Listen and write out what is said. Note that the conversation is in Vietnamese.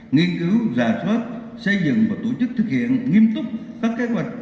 nghiên cứu rà soát xây dựng và tổ chức thực hiện nghiêm túc các kế hoạch